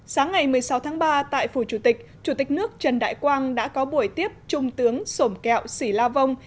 sáng ngày một mươi sáu tháng ba tại phủ chủ tịch chủ tịch nước trần đại quang đã có buổi tiếp trung tướng sổm kẹo sĩ la vong